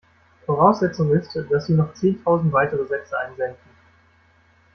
Voraussetzung ist, dass Sie noch zehntausend weitere Sätze einsenden.